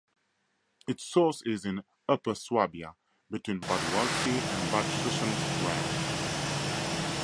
Its source is in Upper Swabia, between Bad Waldsee and Bad Schussenried.